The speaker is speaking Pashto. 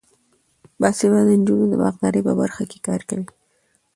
باسواده نجونې د باغدارۍ په برخه کې کار کوي.